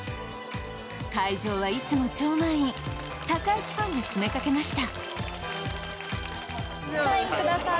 会場はいつも超満員、高市ファンが詰めかけました。